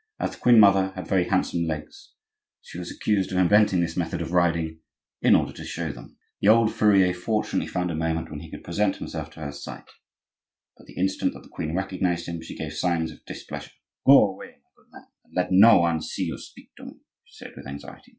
As the queen mother had very handsome legs, she was accused of inventing this method of riding, in order to show them. The old furrier fortunately found a moment when he could present himself to her sight; but the instant that the queen recognized him she gave signs of displeasure. "Go away, my good man, and let no one see you speak to me," she said with anxiety.